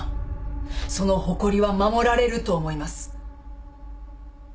その誇りは守られると思います。